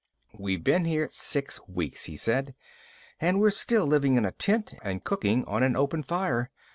"We've been here six weeks," he said, "and we're still living in a tent and cooking on an open fire.